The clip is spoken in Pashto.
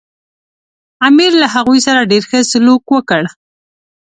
امیر له هغوی سره ډېر ښه سلوک وکړ.